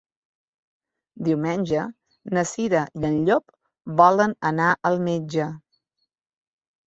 Diumenge na Cira i en Llop volen anar al metge.